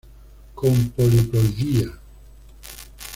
Con poliploidía.